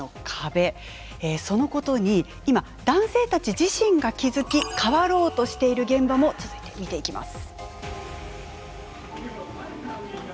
そのことに今男性たち自身が気づき変わろうとしている現場も続いて見ていきます。